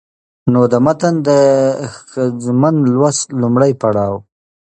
نو د متن د ښځمن لوست لومړى پړاو